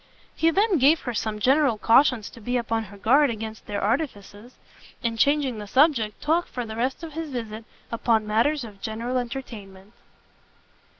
He then gave her some general cautions to be upon her guard against their artifices, and changing the subject, talked, for the rest of his visit, upon matters of general entertainment.